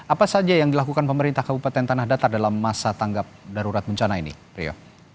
apa saja yang dilakukan pemerintah kabupaten tanah datar dalam masa tanggap darurat bencana ini rio